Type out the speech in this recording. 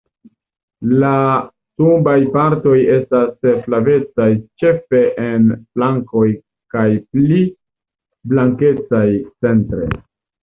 La subaj partoj estas flavecaj ĉefe en flankoj kaj pli blankecaj centre.